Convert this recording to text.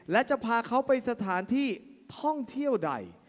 และจะพาเขาไปสถานที่ท่องเที่ยวใด